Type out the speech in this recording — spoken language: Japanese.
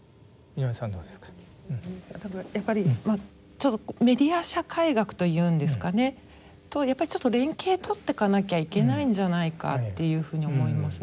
ちょっとメディア社会学というんですかねとやっぱりちょっと連携取ってかなきゃいけないんじゃないかというふうに思いますね。